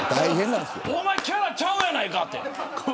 おまえキャラちゃうやないかと。